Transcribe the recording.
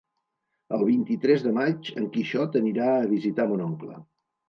El vint-i-tres de maig en Quixot anirà a visitar mon oncle.